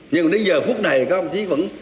nhưng mà đến giờ phút này các ông chỉ vẫn